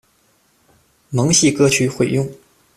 萌系歌曲混用。